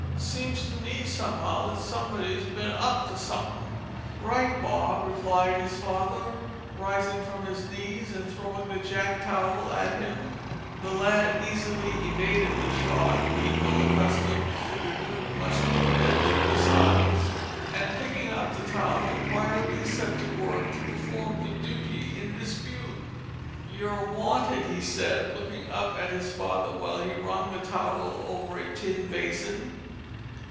seems to me, somehow, that somebody's bin up to somethin'." "Right Bob," replied his father, rising from his knees and throwing the jack towel at him. The lad easily evaded the shot, being well accustomed to elude much more deadly missiles, and, picking up the towel, quietly set to work to perform the duty in dispute. "You're wanted," he said, looking up at his father while he wrung the towel over a tin basin.